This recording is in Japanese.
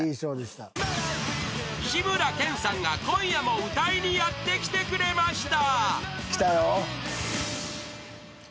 ［志村けんさんが今夜も歌いにやって来てくれました］